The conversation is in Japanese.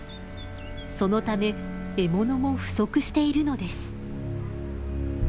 そのため獲物も不足しているのです。